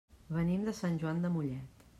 Venim de Sant Joan de Mollet.